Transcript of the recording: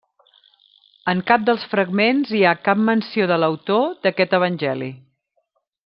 En cap dels fragments hi ha cap menció de l'autor d'aquest evangeli.